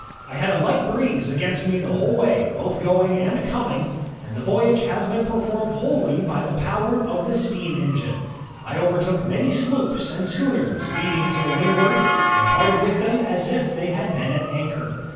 I had a light breeze against me the whole way, ' both going and coming, and the voyage has been performed wholly by the power of the steam engine. I overtook many sloops and schooners beating to the windward, and parted with them as if they had been at anchor.